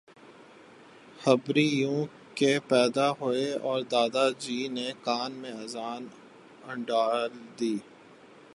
جبری یوں کہ پیدا ہوئے اور دادا جی نے کان میں اذان انڈیل دی